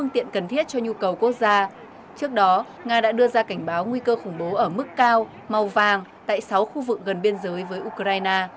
trước đó nga đã đưa ra cảnh báo nguy cơ khủng bố ở mức cao màu vàng tại sáu khu vực gần biên giới với ukraine